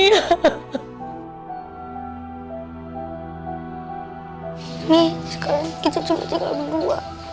ini sekarang kita cuma tinggal berdua